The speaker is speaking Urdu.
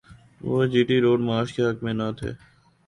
وہ جی ٹی روڈ مارچ کے حق میں نہ تھے۔